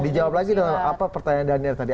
dijawab lagi dengan apa pertanyaan daniel tadi